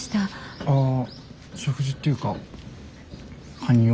あ食事っていうかカニを。